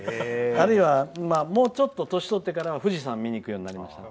あるいは年を取ってからは富士山見に行くようになりました。